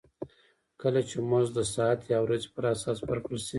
کله چې مزد د ساعت یا ورځې پر اساس ورکړل شي